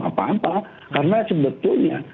apa apa karena sebetulnya